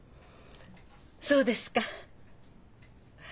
そうですか。